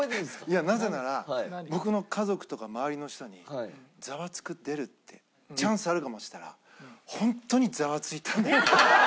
いやなぜなら僕の家族とか周りの人に「『ザワつく！』出る」って「チャンスあるかも」って言ったらホントにザワついたんです。